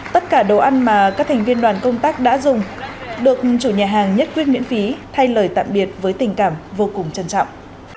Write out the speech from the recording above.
tất cả đồ ăn mà các thành viên đoàn công tác đã dùng được chủ nhà hàng nhất quyết miễn phí thay lời tạm biệt với tình cảm vô cùng trân trọng